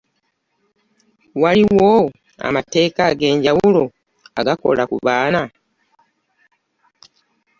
Waliwo amateeka agenjawulo agakola ku baana?